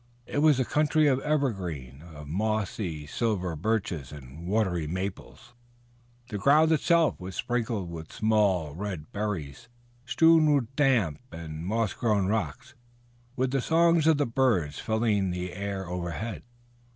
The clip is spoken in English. It was a country of evergreens, of mossy silver birches and watery maples. The ground itself was sprinkled with small red berries, strewn with damp and moss grown rocks, with the songs of the birds filling the air overhead.